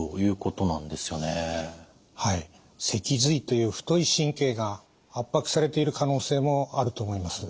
脊髄という太い神経が圧迫されている可能性もあると思います。